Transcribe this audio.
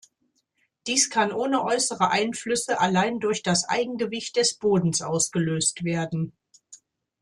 Dies kann ohne äußere Einflüsse allein durch das Eigengewicht des Bodens ausgelöst werden.